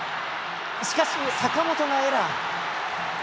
しかし、坂本がエラー。